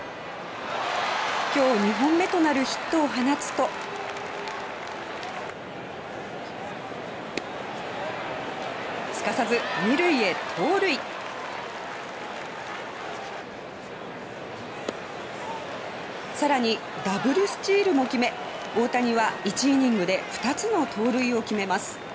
今日２本目となるヒットを放つとすかさず二塁へ盗塁さらに、ダブルスチールも決め大谷は１イニングで２つの盗塁を決めます。